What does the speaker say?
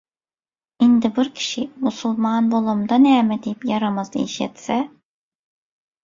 Indi bir kişi: «Musulman bolamda näme?» diýip ýaramaz iş etse